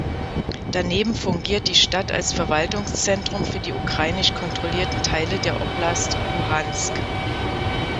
Daneben fungiert die Stadt als Verwaltungszentrum für die ukrainisch kontrollierten Teile der Oblast Luhansk.